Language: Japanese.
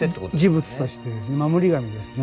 持仏として守り神ですね